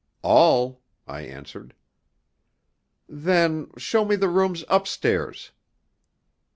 "All," I answered. "Then show me the rooms upstairs."